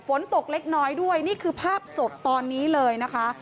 ฝนตกเล็กน้อยด้วยนี่คือภาพสดตอนนี้เลยนะคะ